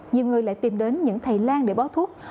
nhiều người lại tìm đến những thầy lan để báo thuốc